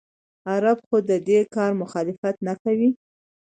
عرب خو د دې کار مخالفت نه کوي.